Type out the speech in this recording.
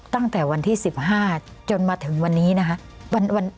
ตั้งแต่วันที่๑๕จนมาถึงวันนี้นะคะ